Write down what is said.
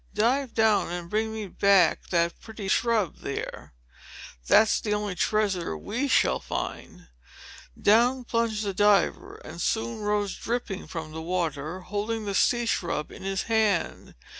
"Dive down and bring me that pretty sea shrub there. That's the only treasure we shall find!" Down plunged the diver, and soon rose dripping from the water, holding the sea shrub in his hand.